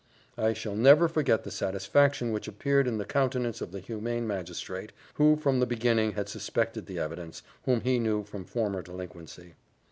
I never shall forget the satisfaction which appeared in the countenance of the humane magistrate, who from the beginning had suspected the evidence, whom he knew from former delinquency.